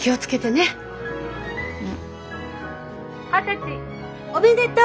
二十歳おめでとう！